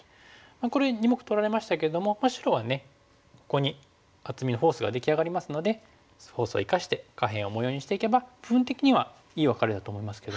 これ２目取られましたけども白はここに厚みのフォースが出来上がりますのでフォースを生かして下辺を模様にしていけば部分的にはいいワカレだと思いますけども。